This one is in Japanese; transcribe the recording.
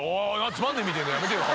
つまんねえみたいのやめてよ」